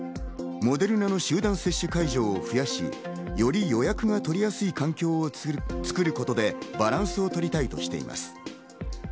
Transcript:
モデルナの集団接種会場を増やし、より予約が取りやすい環境を作ることでバランスを取りたいとしています。